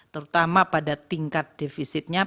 terutama pada tingkat defisitnya